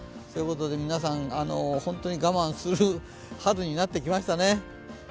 そういうことで皆さん、本当に我慢する春になってきましたね。